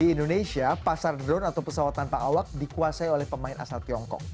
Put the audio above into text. di indonesia pasar drone atau pesawat tanpa awak dikuasai oleh pemain asal tiongkok